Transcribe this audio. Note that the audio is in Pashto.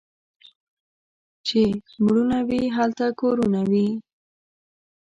چي مړونه وي ، هلته کورونه وي.